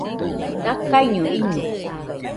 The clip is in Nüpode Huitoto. Dakaiño ine